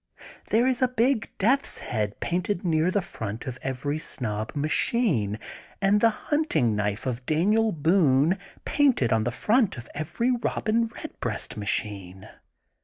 There is a big death 's head painted near the front of every Snob machine, and the hujiting knife of Daniel Boone painted on the front of every Robin Bedbreast machine.